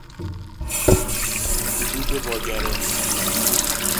خطوط واگرا